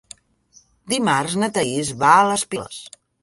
Dimarts na Thaís va a les Piles.